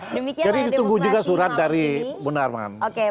jadi ditunggu juga surat dari buna armangan